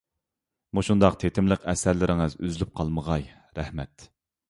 مۇشۇنداق تېتىملىق ئەسەرلىرىڭىز ئۈزۈلۈپ قالمىغاي. رەھمەت!